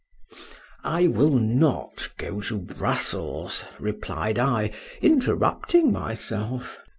—I will not go to Brussels, replied I, interrupting myself.